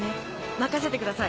任せてください